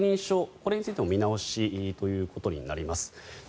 これについても見直しということになります。